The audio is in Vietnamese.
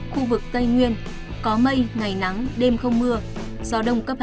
khu vực tây nguyên có mây ngày nắng đêm không mưa gió đông cấp hai